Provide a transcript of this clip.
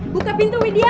buka pintu widya